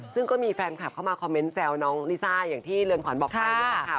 ซึ่งก็มีแฟนคลับเข้ามาคอมเมนต์แซวน้องลิซ่าอย่างที่เรือนขวัญบอกไปนี่แหละค่ะ